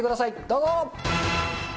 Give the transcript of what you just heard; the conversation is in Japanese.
どうぞ。